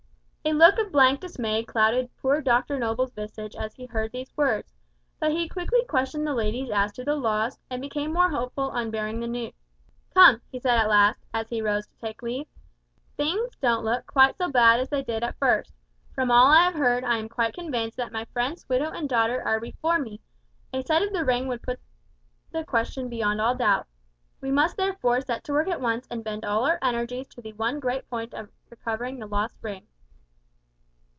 A look of blank dismay clouded poor Dr Noble's visage as he heard these words, but he quickly questioned the ladies as to the loss, and became more hopeful on bearing the details. "Come," he said at last, as he rose to take leave, "things don't look quite so bad as they did at first. From all I have heard I am convinced that my friend's widow and daughter are before me a sight of the ring would put the question beyond all doubt. We must therefore set to work at once and bend all our energies to the one great point of recovering the lost ring."